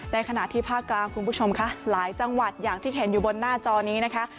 ขณะที่ภาคกลางคุณผู้ชมคะหลายจังหวัดอย่างที่เห็นอยู่บนหน้าจอนี้นะคะ